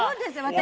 私。